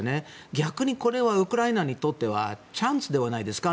逆にこれはウクライナにとってはチャンスではないですか？